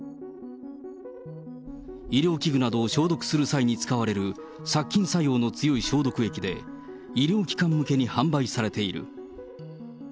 医療器具などを消毒する際に使われる殺菌作用の強い消毒液で、医療機関向けに販売されている。